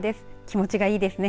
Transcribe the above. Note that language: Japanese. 気持ちがいいですね。